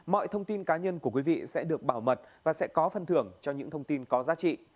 mọi thông tin cá nhân của quý vị sẽ được bảo mật và sẽ có phân thưởng cho những thông tin có giá trị